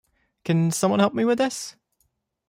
Can someone help me with this?